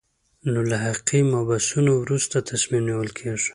نو له حقوقي مبحثونو وروسته تصمیم نیول کېږي.